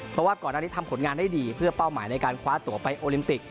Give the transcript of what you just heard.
เพราะว่าก่อนอันนี้ทำผลงานได้ดีเพื่อเป้าหมายในการคว้าตัวไปโอลิมปิก